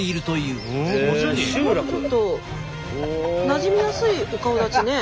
なじみやすいお顔だちね